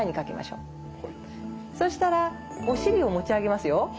そしたらお尻を持ち上げますよ。